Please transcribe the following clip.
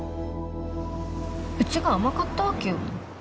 うちが甘かったわけよ。